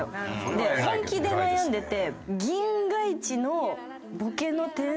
で本気で悩んでて。